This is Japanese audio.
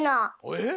えっ！？